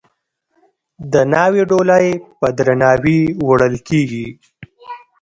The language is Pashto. د ناوې ډولۍ په درناوي وړل کیږي.